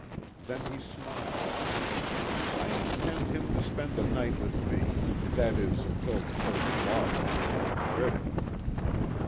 Then he smiled. "I intend him to spend the night with me. That is, until the first log comes down the river."